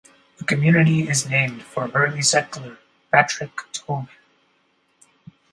The community is named for early settler Patrick Tobin.